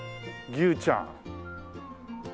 牛ちゃん？